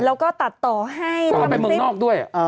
แล้วก็ตัดต่อให้เพราะว่าไปเมืองนอกด้วย